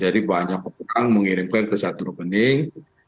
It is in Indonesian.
jadi banyak uang mengirimkan ke satu rekening